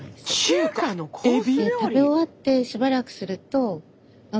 エビ？